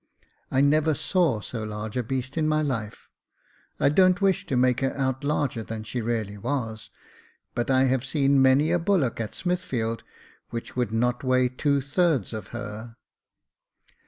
I never saw so large a beast in my life. I don't wish to make her out larger than she really was, but I have seen many a bullock at Smithfield which would not weigh two thirds of her.